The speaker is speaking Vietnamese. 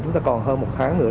chúng ta còn hơn một tháng nữa